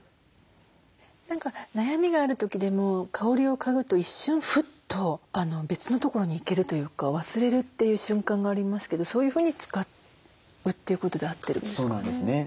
何か悩みがある時でも香りを嗅ぐと一瞬フッと別のところに行けるというか忘れるという瞬間がありますけどそういうふうに使うということで合ってるんですかね？